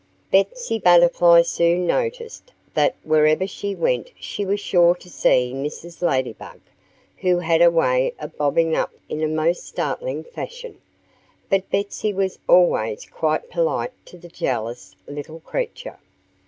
Betsy Butterfly soon noticed that wherever she went she was sure to see Mrs. Ladybug, who had a way of bobbing up in a most startling fashion. But Betsy was always quite polite to the jealous little creature.